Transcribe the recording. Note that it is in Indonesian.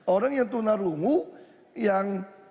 orang yang tunarungu yang